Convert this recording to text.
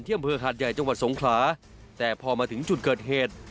อำเภอหาดใหญ่จังหวัดสงขลาแต่พอมาถึงจุดเกิดเหตุ